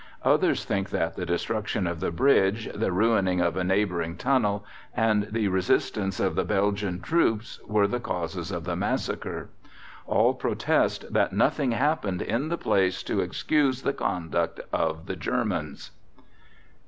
Others think that the destruction of the bridge, the ruining of a neighbouring tunnel, and the resistance of the Belgian troops were the causes of the massacre. All protest that nothing happened in the place to excuse the conduct of the Germans.